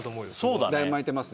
だいぶ巻いてます。